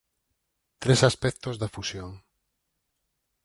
Tres aspectos da fusión